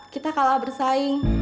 kita kalah bersaing